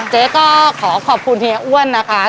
เจ๊ก็ขอขอบคุณเฮียอ้วนนะคะ